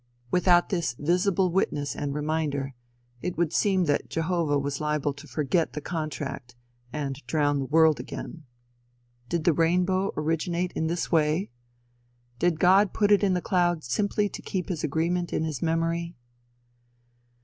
Without this visible witness and reminder, it would seem that Jehovah was liable to forget the contract, and drown the world again. Did the rainbow originate in this way? Did God put it in the cloud simply to keep his agreement in his memory?